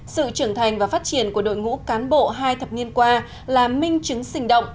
sự trưởng thành và phát triển của đội ngũ cán bộ hai thập niên qua là minh chứng sinh động